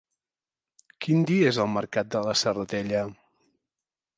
Quin dia és el mercat de la Serratella?